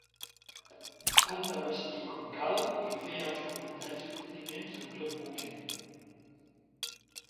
Han de vestir com cal i fer els comentaris pertinents en tot moment.